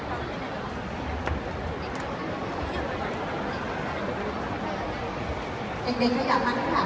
และจึงได้พอ้าที่สร้าง